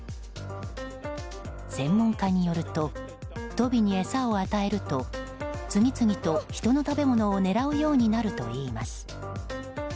専門家によるとトビに餌を与えると次々と人の食べ物を狙うようになるといいます。